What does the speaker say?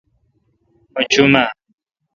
مہ چو م اہ؟